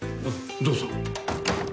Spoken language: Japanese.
どうぞ。